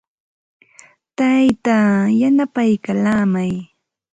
Taytaa yanapaykallaamay.